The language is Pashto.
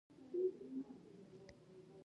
ژبه حساس کیمیاوي لابراتوار دی.